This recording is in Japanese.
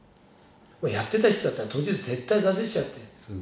やってた人だったら途中で絶対挫折しちゃうって。